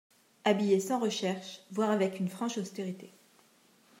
habillée sans recherche, voire avec une franche austérité.